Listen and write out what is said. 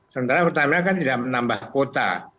sementara pertamina kan tidak menambah kuota